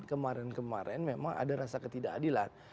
kemarin kemarin memang ada rasa ketidakadilan